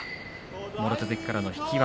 もろ手突きからの引き技。